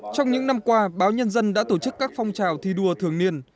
trong những năm qua báo nhân dân đã tổ chức các phong trào thi đua thường niên